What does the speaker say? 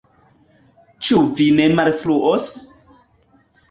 Ĉu vi ne malfruos?